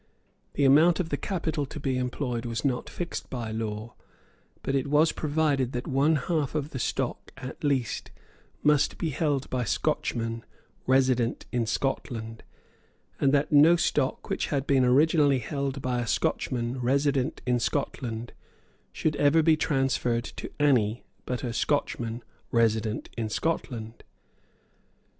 The amount of the capital to be employed was not fixed by law; but it was provided that one half of the stock at least must be held by Scotchmen resident in Scotland, and that no stock which had been originally held by a Scotchman resident in Scotland should ever be transferred to any but a Scotchman resident in Scotland.